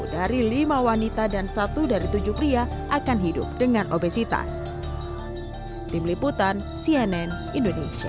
dari lima wanita dan satu dari tujuh pria akan hidup dengan obesitas tim liputan cnn indonesia